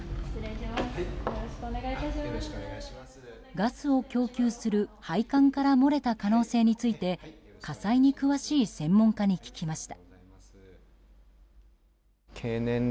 ガスを供給する配管から漏れた可能性について火災に詳しい専門家に聞きました。